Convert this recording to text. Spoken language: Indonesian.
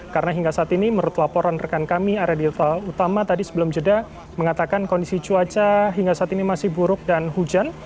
karena hingga saat ini menurut laporan rekan kami area di utama tadi sebelum jeda mengatakan kondisi cuaca hingga saat ini masih buruk dan hujan